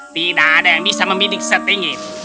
tidak ada yang bisa membidik setinggi